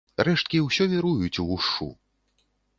Рэшткі ўсё віруюць увушшу.